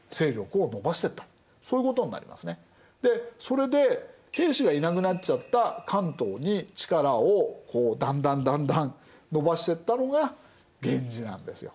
でそれで平氏がいなくなっちゃった関東に力をだんだんだんだん伸ばしてったのが源氏なんですよ。